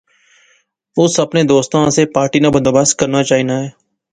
اس اپنے دوستاں آسے پارٹی ناں بندوبست کرنا چاہنے آں